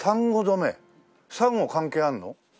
サンゴ関係あるの？